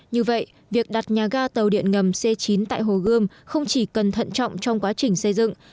như vậy việc đặt nhà ga tàu điện ngầm c chín tại hồ gươm không chỉ cần thận trọng trong quá trình xây dựng